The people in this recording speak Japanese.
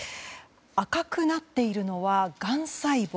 赤くなっているのは、がん細胞。